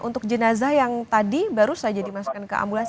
untuk jenazah yang tadi baru saja dimasukkan ke ambulans